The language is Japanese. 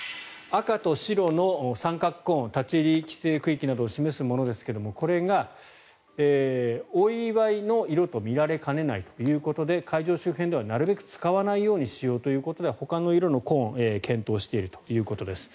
赤と白の三角コーン立ち入り規制区域などを示すものですがこれがお祝いの色と見られかねないということで会場周辺ではなるべく使わないようにしようということでほかの色のコーンを検討しているということです。